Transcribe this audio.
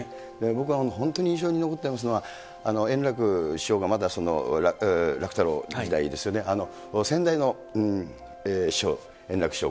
僕、本当に印象に残っているのは、円楽師匠がまだ楽太郎時代ですよね、先代の師匠、圓楽師匠、